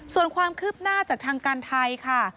ส่วนความคืบหน้าจากทางการไทยค่ะ